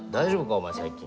お前最近。